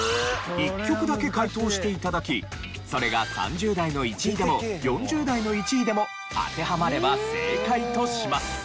１曲だけ解答して頂きそれが３０代の１位でも４０代の１位でも当てはまれば正解とします。